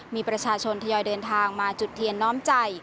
มีประชาชนทยอยเดินทางมาจุดเทียนน้อมใจ